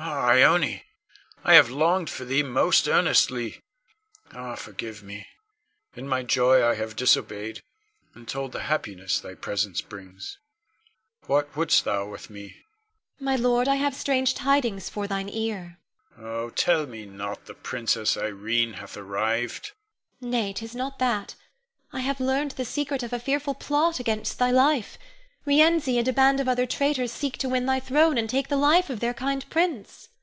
Ah, Ione, I have longed for thee most earnestly. Ah, forgive me! In my joy I have disobeyed, and told the happiness thy presence brings. What wouldst thou with me? Ione. My lord, I have strange tidings for thine ear. Con. Oh, tell me not the Princess Irene hath arrived! Ione. Nay, 'tis not that. I have learned the secret of a fearful plot against thy life. Rienzi, and a band of other traitors, seek to win thy throne and take the life of their kind prince.